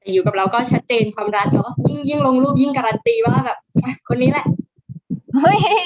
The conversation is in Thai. แต่อยู่กับเราก็ชัดเจนความรักเราก็ยิ่งลงรูปยิ่งการันตีว่าแบบคนนี้แหละเฮ้ย